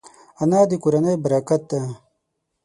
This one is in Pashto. انا د کورنۍ برکت ده